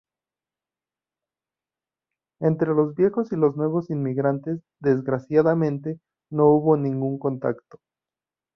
Entre los viejos y los nuevos inmigrantes, desgraciadamente, no hubo ningún contacto.